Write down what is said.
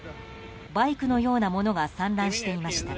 バイクのようなものが散乱していました。